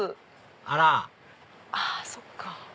あらそっか。